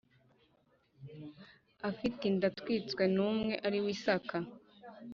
Afite inda atwitswe n umwe ari we isaka